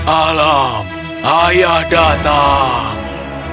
alam ayah datang